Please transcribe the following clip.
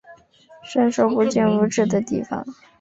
伸手不见五指的地方